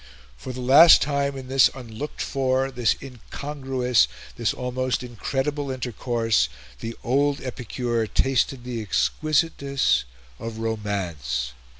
For the last time in this unlooked for, this incongruous, this almost incredible intercourse, the old epicure tasted the exquisiteness of romance.